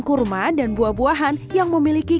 kurma dan buah buahan yang memiliki